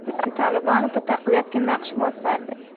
د طالبانو په تقویت کې نقش موثر دی.